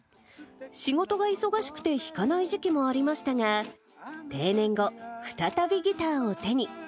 仕事が忙しくて弾かない時期もありましたが、定年後、再びギターを手に。